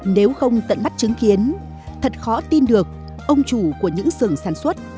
nếu không tận mắt chứng kiến thật khó tin được ông chủ của những sưởng sản xuất